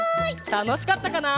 たのしかったかな？